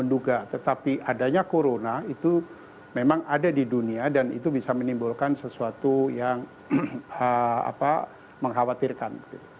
nah itu memang ada di dunia dan itu bisa menimbulkan sesuatu yang mengkhawatirkan